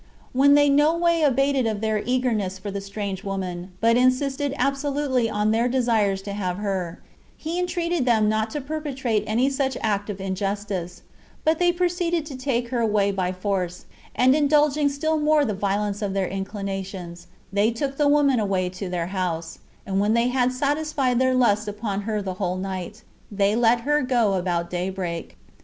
When they no way abated of their earnestness for the strange woman, but insisted absolutely on their desires to have her, he entreated them not to perpetrate any such act of injustice; but they proceeded to take her away by force, and indulging still more the violence of their inclinations, they took the woman away to their house, and when they had satisfied their lust upon her the whole night, they let her go about daybreak.